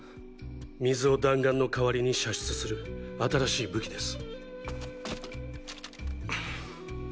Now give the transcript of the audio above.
水を弾丸の代わりに射出する新しい武器です。